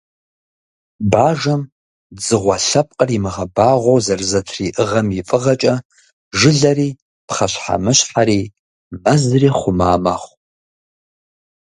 Бажэм дзыгъуэ лъэпкъыр имыгъэбагъуэу зэрызэтриӏыгъэм и фӏыгъэкӏэ, жылэри, пхъэщхьэмыщхьэри, мэзри хъума мэхъу.